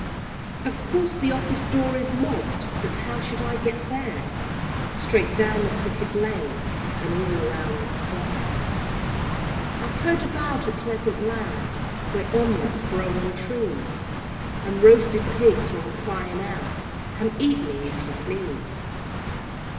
Of course the office door is mobb'd, But how shall I get there? "Straight down the Crooked Lane, And all round the Square." I've heard about a pleasant Land, Where omelettes grow on trees, And roasted pigs run crying out, "Come eat me, if you please."